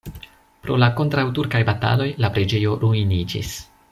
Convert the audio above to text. Pro la kontraŭturkaj bataloj la preĝejo ruiniĝis.